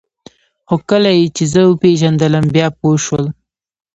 خو کله یې چې زه وپېژندلم بیا پوه شول